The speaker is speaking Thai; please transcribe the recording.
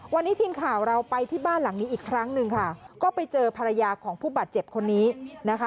วันนี้ทีมข่าวเราไปที่บ้านหลังนี้อีกครั้งหนึ่งค่ะก็ไปเจอภรรยาของผู้บาดเจ็บคนนี้นะคะ